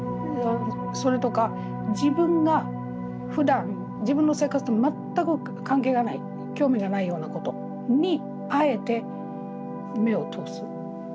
それとか自分がふだん自分の生活と全く関係がない興味がないようなことにあえて目を通す。